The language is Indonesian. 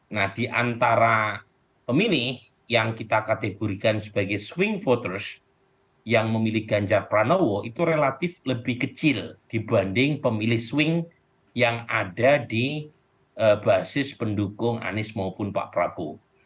nah di antara pemilih yang kita kategorikan sebagai swing voters yang memilih ganjar pranowo itu relatif lebih kecil dibanding pemilih swing yang ada di basis pendukung anies maupun pak prabowo